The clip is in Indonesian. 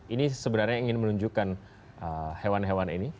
ini sebenarnya ingin menunjukkan hewan hewan ini